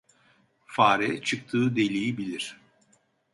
Fare, çıktığı deliği bilir.